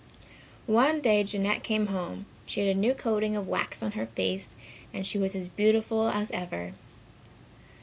One day Jeanette came home. She had a new coating of wax on her face and she was as beautiful as ever.